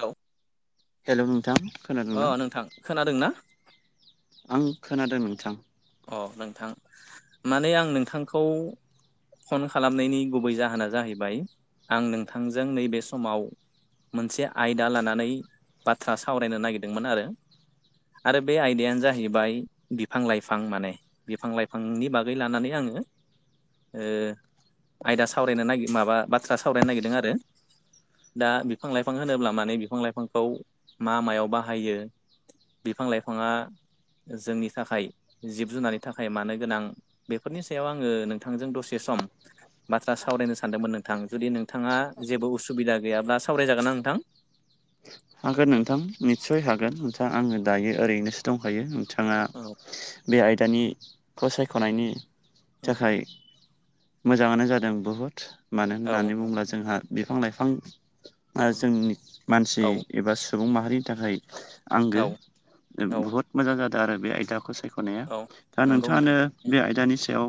औ हेल' नोंथां खोनादोंना? खोनादों ना? आं खोनादों नोंथां। अ नोंथां माने आं नोंथांखौ फन खालामनायनि गुबै जाहोना जाहैबाय आं नोंथांजों नैबे समाव मोनसे आयदा लानानै बाथ्रा सावरायनो नागिरदोंमोन आरो। आरो बे आयदायानो जाहैबाय बिफां लाइफां बिफां माने बिफां लाइफांनि बागै लानानै आङो आयदा सावरायनो निर माबा बाथ्रा सावरायनो नागिरदों आरो। दा बिफां लाइफां होनोब्ला माने बिफां लाइफांखौ मा मायाव बाहायो? बिफां लाइफाङा जोंनि थाखाय जिब जुनारनि थाखाय मानो गोनां बेफोरनि सायाव आङो नोंथांजों दसे सम बाथ्रा सावरायनो सानदोंमोन नोंथां जुदि नोंथाङा जेबो उसुबिदा गैयाब्ला सावरायजागोन ना नोंथां। हागोन नोंथां निस्सय हागोन नोंथाङा आङो दायो ओरैनोसो दंखायो नोंथां। बिथाङा औ बे आयदानिखौ सायख'नायनि थाखाय मोजाङानो जादों बुहुद मानो औ होननानै बुङोब्ला जोंहा बिफां लाइफां जोंनि मानसि एबा सुबुं माहारिनि थाखाय आंगो औ औ बहुद मोजां जादों आरो बे आयदाखौ सायख'नाया औ दा नंगौ नोंथां नोंथाङानो बे आयदानि सायाव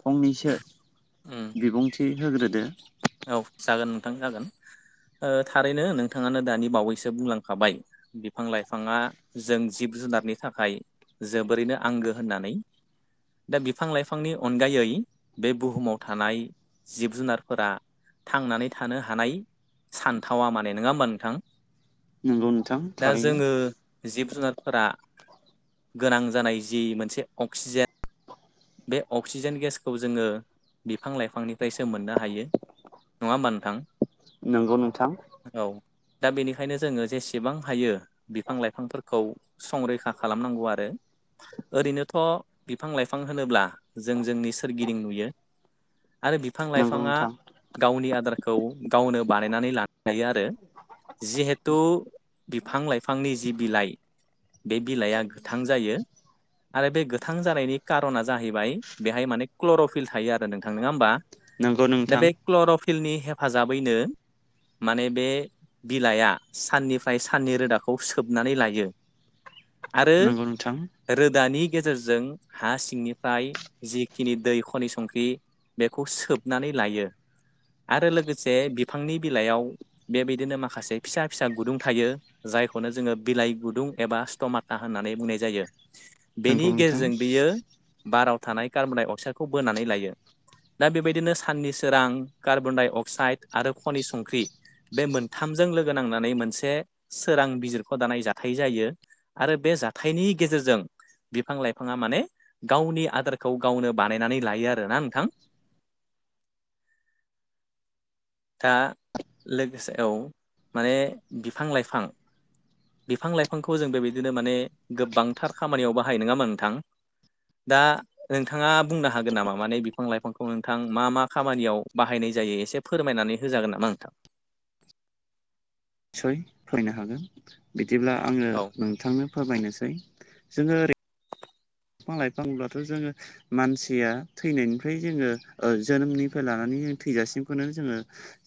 फंनैसो उम बिबुंथि होग्रोदो। औ जागोन नोंथां जागोन थारैनो नोंथाङानो दानि बावैसो बुंलांखाबाय। बिफां लाइफाङा जों जिब जुनारनि थाखाय जोबोरैनो आंगो होननानै दा बिफां लाइफांनि अनगायै बे बुहुमाव थानाय जिब जुनारफोरा थांनानै थानो हानाय सानथावा माने नङा होमबा नोंथां। नंगौ नोंथां दा थारैनो जोङो जिब जुनारफोरा गोनां जानाय जि मोनसे अक्सिजेन बे अक्सिजेन गेसखौ जोङो बिफां लाइफांनिफ्रायसो मोननो हायो नङा होमबा नोंथां? नंगौ नोंथां। औ दा बेनिखायनो जोङो जेसेबां हायो बिफां लाइफांफोरखौ संरैखा खालामनांगौ आरो ओरैनोथ' बिफां लाइफां होनोब्ला जों जोंनि सोरगिदिं नुयो आरो बिफां नंगौ लाइफाङा नोंथां गावनि आदारखौ गावनो बानायनानै लानो हायो आरो जिहेथु बिफां लाइफांनि जि बिलाइ बे बिलाइआ गोथां जायो। आरो बे गोथां जानायनि कारना जाहैबाय बेहाय माने क्लर'फिल थायो आ रो नोंथां नंङा होमबा नंगौ दा नोंथां बे क्लर'फिलनि हेफाजाबैनो माने बे बिलाइआ साननिफ्राय साननि रोदाखौ सोबनानै लायो। आरो नंगौ नोंथां रोदानि गेजेरजों हा सिंनिफ्राय जिखिनि दै खनि संख्रि बेखौ सोबनानै लायो आरो लोगोसे बिफांनि बिलाइयाव बेबायदिनो माखासे फिसा फिसा गुदुं थायो। जायखौनो जोङो बिलाइ गुदुं एबा स्टमाथा होननानै बुंनाय जायो नंगौ बेनि नोंथां गेजेरजों बियो बाराव थानाय कार्बनडाइ अक्साइडखौ बोनानै लायो। दा बेबायदिनो साननि सोरां कार्बनडाइ अक्साइड आरो खनि संख्रि बे मोनथामजों लोगो नांनानै मोनसे सोरां बिजिरख' दानाय जाथाय जायो। आरो बे जाथायनि गेजेरजों बिफां लाइ फाङा माने गावनि आदारखौ गावनो बानायनानै लायो आरोना नोंथां। [unintelligible] दा लोगोसे औ माने बिफां लाइफां। बिफां लाइफांखौ जों बेबायदिनो माने गोबांथार खामानियाव बाहायो नङा होनबा नों थां दा नोंथाङा बुंनो हागोन नामा माने बिफां लाइफां खौ नोंथां मा मा खामानियाव बाहायनाय जायो एसे फोरमायनानै होजागोन नामा नोंथां। सय फरायनो हागोन बिदिब्ला आङो औ नोंथांनो फोरमायनोसै जोङो ओरै बिफां लाइफां होब्लाथ' जोङो मानसिया थैनायनिफ्राय जोङो ओ जोनोमनिफ्राय लानानै जों थैजासिमखौनो जोङो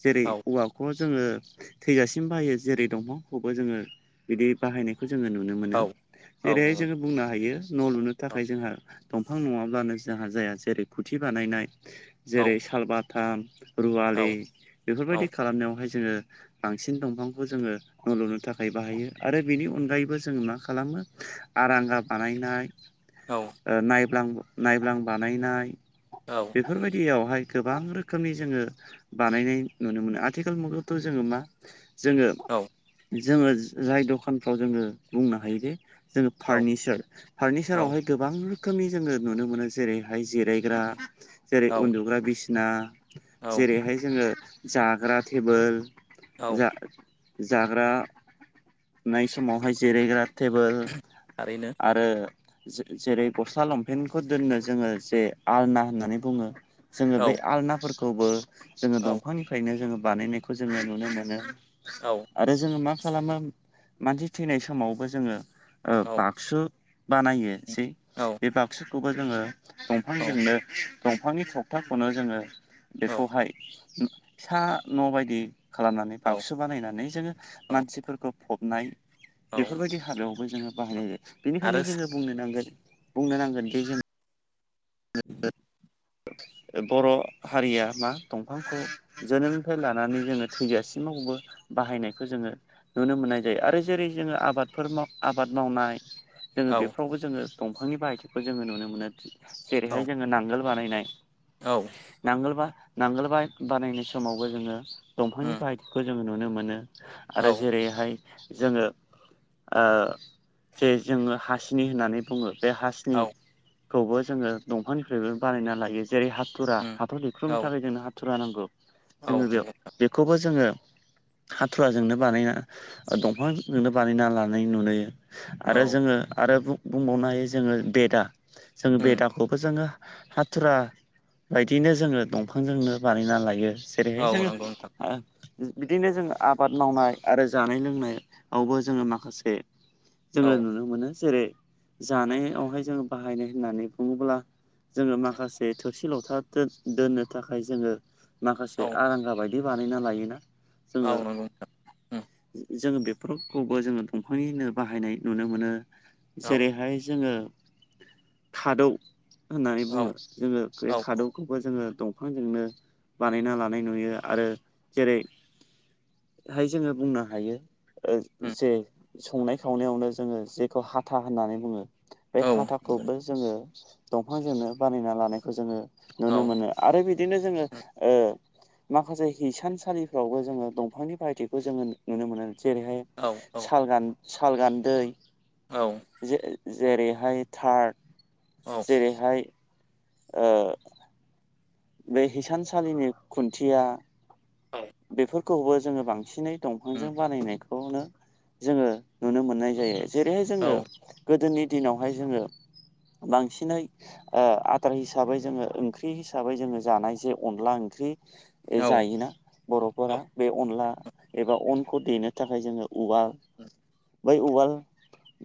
जेरै औ औवाखौ जोङो थैजासिम बाहायो जेरै दंफांखौबो जोङो बिदि बाहायनायखौ जोङो नुनो मोनो औ औ जेरैहाय नंगौ जोङो बुंनो हायो न' लुनो थाखाय जोंहा दंफां नङाब्लानो जोंहा जाया जेरै खुथि बानायनाय औ जेरै सालबा थाम रुवालि औ औ बेफोरबायदि खालामनायावहाय जोङो बांसिन दंफांखौ जोङो न' लुनो थाखाय बाहायो आरो बेनि अनगायैबो जों मा खालामो आरांगा बानायनाय। औ। ओ नायब्लां नायब्लां बानायनाय। औ बेफोरबायदियावहाय गोबां रोखोमनि जोङो बानायनाय नुनो मोनो आथिखाल मुगायावथ' जोङो मा जोङो जोङो जाय दखानफ्राव जोङो बुंनो हायोदि जोङो फारनिचार फारनिचारावहाय गोबां रोखोमनि जोङो नुनो मोनो जेरैहाय जेराय ग्रा जेरै औ उन्दुग्रा बिसिना औ जेरैहाय जोङो जाग्रा टेबोल औ जा जाग्रानाय समावहाय जिरायग्रा टेबोल थारैनो। आरो जे जेरै गस्ला लंपेनटखौ दोननो जोङो जे आलना होननानै बुङो। जोङो औ बे आलनाफोरखौबो जोङो औ दंफांनिफ्रायनो जोङो बानायनाय खौ जोङो नुनो मोनो औ आरो जोङो मा खालामो मानसि थैनाय समावबो जोङो ओ औ बाक्सु बानाय होनसै औ बे बाक्सुखौबो जोङो औ दंफांजोंनो दंफांनि थखथाखौनो जोङो औ बेखौहाय उम फिसा न' बायदि खालामनानै बक्सु बानायनानै जोङो मानसिफोरखौ फबनाय बेफोरबायदि हाग्रायावबो जोङो बाहायनाय जायो बेनिखायनो आरो जोङोनो बुंनो नांगोन बुंनो नांगोन दि जों [unintelligible] बर' हारिया मा दंफांखौ जोनोमनिफ्राय लानानै जोङो थैजासिमावबो बाहायनायखौ जोङो नुनो मोननाय जायो आरो जेरै जोङो आबादफोर माव आबाद मावनाय जोङो बेफोरावबो जोङो दंफांनि बाहायथिखौ जोङो नुनो मोनो औ जेरैहाय जोङो नांगोल बानायनाय औ नांगोलबा नांगोल बानायनाय समावबो जोङो दंफांनि उम बाहायथिखौ जोङो नुनो मोनो आरो औ जेरैहाय जोङो ओ जे जोङो हासिनि होननानै बुङो बे हासि नि औ खौबो जोङो दंफांनिफ्रायबो बानायना लायो जेरै हाथुरा उम हाथर औ दैख्रुबनो थाखाय जोंनो हाथुरा नांगौ औ जोङो बेयाव नंगौ बेखौबो जोङो हाथुराजोंनो बानायना ओ दंफांजोंनो बानायना लानाय नुयो औ आरो जोङो आरो बुंबावनो हायो जोङो बेदा जोङो उम बेदाखौबो जोङो हाथुरा बायदिनो जोङो दंफांजोंनो बानायना लायो औ जेरैहाय जोङो नंगौ नोंथां ओ बिदिनो जोङो आबाद मावनाय आरो जानाय लोंनायावबो जोङो माखासे औ जोङो नुनो मोनो जेरै जानायावहाय जोङो बाहायनाय होननानै बुङोब्ला जोङो उम माखासे थोरसि लथा दोननो थाखाय जोङो औ माखासे आरांगा बायदि बि बानायना लायोना औ जोङो नंगौ नोंथां उम जोङो बेफोरखौबो जोङो दंफांनिनो बाहायनाय नुनो मोनो औ जेरैहाय जोङो खादौ होननानै बुङो औ जोङो बे औ औ खादौ खौबो जोङो दंफांजोंनो बानायना लानाय नुयो आरो जेरै हाय जोङो बुंनो हायो ओ उम जे संनाय खावनायावनो जोङो जेखौ हाथा होननानै बुङो बे औ उम हाथाखौबो जोङो दंफांजोंनो बानायना लानायखौ जोङो औ नुनो मोनो आरो बिदिनो जोङो ओ माखासे हिसान सालिफ्रावबो जोङो दंफांनि बाहायथिखौ जोङो नुनो मोनो जेरैहाय औ औ सालगान सालगान्दै औ जे जेरैहाय थार्र जेरैहाय ओ बे हिसानसालिनि खुन्थिया औ बेफोरखौबो जोङो बांसिनै दंफांजों बानायनाय खौनो जोङो नुनो मोननाय जायो जेरैहाय जोङो औ गोदोनि दिनावहाय जोङो बांसिनै ओ आदार हिसाबै जोङो ओंख्रि हिसाबै जोङो जानाय जे अनला ओंख्रि औ जायोना बर'फोरा बे अनला एबा अनखौ देनो थाखाय जोङो उवाल बै उवाल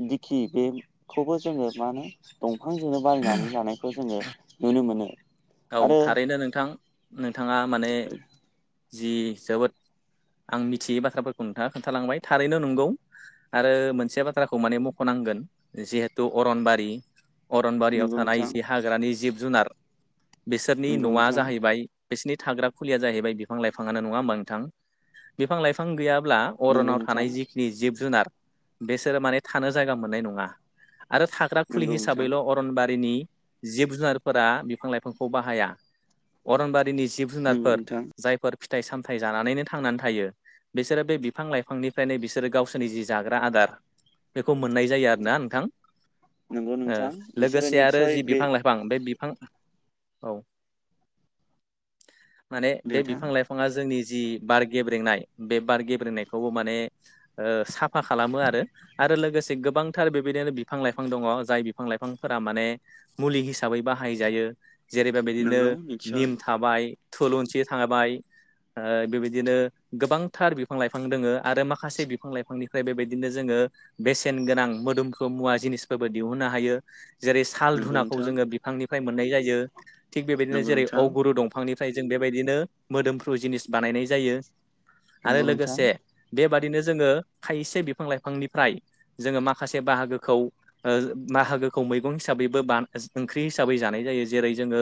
दिखि बेखौबो जोङो मा होनो दंफांजोंनो बानायनानै लानायखौ जोङो नुनो मोनो औ आरो थारैनो नोंथां नोंथाङा माने जि जोबोद। आं मिथियै बाथ्राफोरखौ नोंथाङा खोन्थालांबाय थारैनो नंगौ। आरो मोनसे बाथ्राखौ माने मख'नांगोन जिहेथु अरनबारि। अरनबारियाव नंगौ थानाय नोंथां जि हाग्रानि जिब जुनार बिसोरनि नंगौ न'आ नोंथां जाहैबाय बिसिोरनि थाग्रा फुलिया जाहैबाय बिफां लाइफाङानो नङा होमबा नोंथां बिफां लाइफां गैयाब्ला नंगौ अरनाव नोंथां थानाय जिखिनि जिब जुनार बिसोरो माने थानो जायगा मोननाय नङा आरो थाग्रा खुलि नंगौ नोंथां हिसाबैल' अरनबारिनि जिब जुनारफोरा बिफां लाइफां बाहाया अरनबारिनि जिब नंगौ जुनारफोर नोंथां जाय। फिथाइ सामथाइ जानानैनो थांनानै थायो बिसोरो बे बिफां लाइफांनिफ्रायनो बिसोरो गावसोरनि जि जाग्रा आदार बेखौ मोननाय जायो आरो ना नोंथां? नंगौ नोंथां बिसोरो लोगोसे आरो निस्सय जि बे बिफां लाइ फां बे बिफां औ माने बे नोंथां बिफां लाइफां बिफांङा जोंनि जि बार गेब्रेंनाय बे बार गेब्रेंनायखौबो माने ओ साफ फा खालामो आरो आरो लोगोसे गोबां थार बेबायदिनो बिफां लाइफां दङ जाय बिफां लाइफांफोरा माने मुलि हिसाबै बाहाय जायो। जेरैबा बिदिनो नंगौ निस्सय निम थाबाय थुलुंसि थाबाय। ओ बेबायदिनो गोबांथार बिफां लाइफां दोङो आरो माखासे बिफां लाइफांनिफ्राय बेबायदिनो जोङो। बेसेन गोनां मोदोमखौ मुवा जिनिसफोरबो दिहुननो हायो। जेरै साल नंगौ धुनाखौ नोंथां जोङो बिफांनिफ्राय मोननाय जायो थिग बेबायदिनो नंगौ जेरै नोंथां अगुररु, दंफांनिफ्राय जों बेबायदिनो मोदोमफ्रु जिनिस बानायनाय जायो आरो नंगौ नोंथां लोगोसे बेबादिनो जोङो थायसे बिफां लाइफांनिफ्राय जोङो माखासे बाहागोखौ ओ बाहागोखौ मैगं हिसाबैबो बा ओंख्रि हिसाबै जानाय जायो जेरै जोङो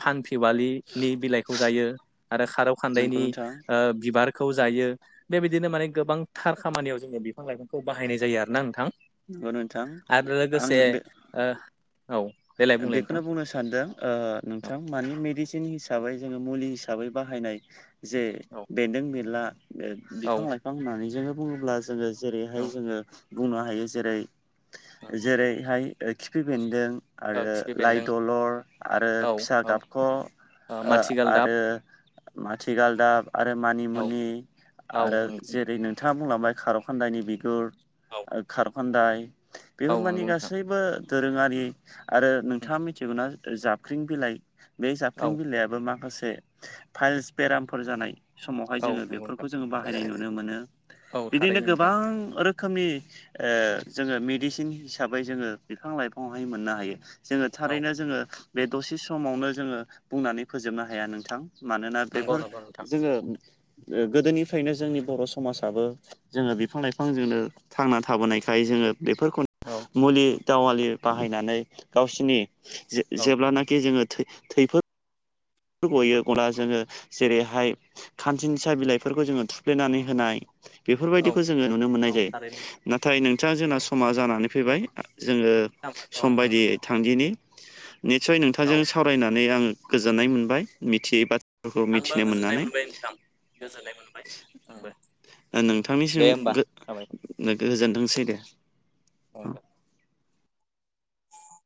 फानफेवालि बिलाइखौ जायो आरो खारौ नंगौ खान्दायनि नोंथां बिबार ओ खौ जायो बेबायदिनो माने गोबांथार खामानियाव जोंनि बिफां लाइफांखौ बाहायनाय जायो आरोना नोंथां। नंगौ नोंथां आरो आं लोगोसे बे औ देलाय बुंलाय नोंथां बेखौनो बुंनो सानदों नोंथां मानि मेडिसिन हिसाबै जोङो मुलि हिसाबै बाहायनाय जे औ बेन्दों बेनला औ बिफां लाइफां होननानै जोङो बुङोब्ला जोङो ज जेरैहाय औ जोङो बुंनो हायो जेरै जेरैहाय खिफि बेन्दों औ आरो खिफि लाइ बेन्दों दलर आरो औ फिसा औ गाबख' माथिगालदाब आरो माथिगालदाब आरो औ मानिमुनि औ आरो नंगौ जेरै नों नोंथाङा बुंलांबाय खार' खान्दायानि बिगुर औ खारखान्दाय औ बेफोर मानि नंगौ गासैबो दोरोङारि आरो नोंथाङा मिथिगौना जाबख्रिं बिलाइ बे औ जाबख्रिं बिलाइयाबो माखासे फाइल्स बेरामफोर जानाय समावहाय औ जोङो नंगौ नोंथां बेफोरखौ जोङो बाहायनाय नुनो मोनो औ बिदिनो थारैनो नोंथां गोबां रो रोखोमनि ओ जोङो मेडिसिन हिसाबै जोङो बिफां लाइफाङावहाय मोननो हायो। जोङो औ थारैनो जोङो बे दसे समावनो जोङो बुंनानै फोजोबनो हाया नोंथां मानोना नंगौ बेफोर नंगौ नोंथां जोङो गोदोनिफ्रायनो जोंनि बर' समाजाबो जोङो बिफां लाइफांजोंनो थांना थाबोनायखाय जोङो बेफोरखौ औ मुलि दावालि बाहायनानै गावसोरनि औ जेब्लानाखि जोङो थैफोर गयो गब्ला जोङो जेरैहाय खानसिंसा बिलाइफोरखौ जोङो थुफ्लेनानै होनाय औ बेफोरबायदिखौ जोङो नुनो मोननाय औ जायो। थारैनो नोंथां नाथाय नोंथां जोंना औ समा जानानै फैबाय जोङो औ सम नंगौ बायदियै नोंथां थांदिनि निसय औ नोंथांजों सावरायनानै आं गोजोननाय मोनबाय मिथियै बा आंबो गोजोननाय मोनबाय ओंनथां गोजोननाय मोनबाय आंबो। नोंथांनिसिम दे होमबा जाबाय गो-गोजोनथोंसै दे औ दे।